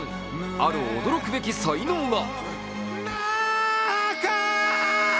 ある驚くべき才能が。